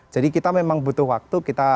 jadi kita memang butuh waktu